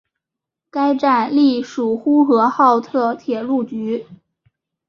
该站隶属呼和浩特铁路局。